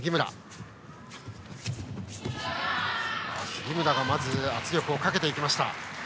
杉村がまず圧力をかけていきました。